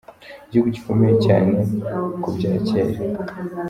'Igihugu gikomeye cyane ku bya kera'.